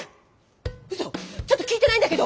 うそ⁉ちょっと聞いてないんだけど。